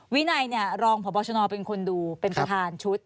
วินัยเนี่ยรองประปบชนเป็นคนดูเป็นชุด